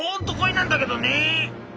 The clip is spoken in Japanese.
なんだけどね」。